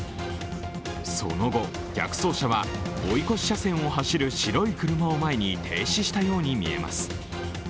その後、逆走車は追い越し車線を走る白い車を前に停止したように見えます。